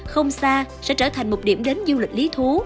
không xa sẽ trở thành một điểm đến du lịch lý thú